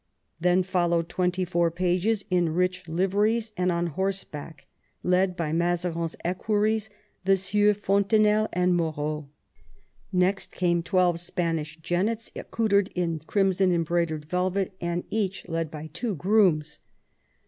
Then followed twenty four pages in rich liveries and on horseback, led by Mazarin's equerries, the Sieurs Fontenelle and Moreau. "Next came twelve Spanish jennets, accoutred in crimson embroidered velvet, and each led by two grooms.